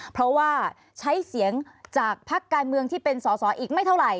เพราะว่าใช้เสียงจากพักการเมืองที่เป็นสอสออีกไม่เท่าไหร